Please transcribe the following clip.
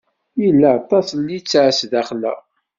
Yella aṭas n litteɛ sdaxel-a.